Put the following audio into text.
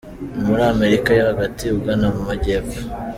Ni muri Amerika yo hagati ugana mu majyepfo.